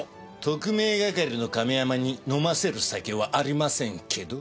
特命係の亀山に飲ませる酒はありませんけど？